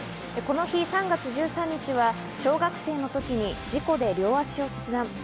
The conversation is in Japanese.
この日、３月１３日は小学生の時に事故で両足を切断。